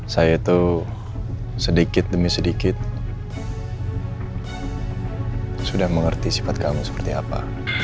saya itu sedikit demi sedikit sudah mengerti sifat kamu seperti apa